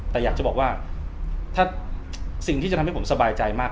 แต่อยากจะบอกว่าถ้าสิ่งที่จะทำให้ผมสบายใจมาก